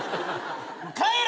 帰れ！